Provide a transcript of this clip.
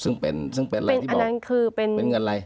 ซึ่งเป็นซึ่งเป็นอะไรที่บอกนั่นคือเป็นเงินอะไร